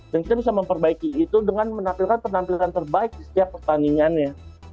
dan kita bisa memperbaiki itu dengan menampilkan penampilan terbaik di setiap pertandingannya